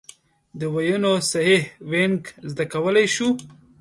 د ویونو صحیح وینګ زده کولای شو.